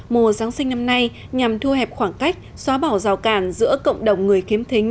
mùa giáng sinh năm nay nhằm thu hẹp khoảng cách xóa bỏ rào cản giữa cộng đồng người khiếm thính